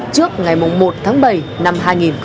trước ngày một tháng bảy năm hai nghìn hai mươi